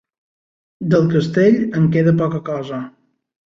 Del castell, en queda poca cosa.